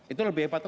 itu lebih hebat lagi